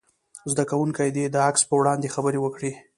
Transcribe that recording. زده کوونکي دې د عکس په وړاندې خبرې وکړي.